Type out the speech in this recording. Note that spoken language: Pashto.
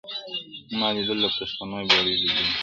ما لیدل د پښتنو بېړۍ ډوبیږي-